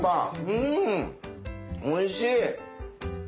うんおいしい！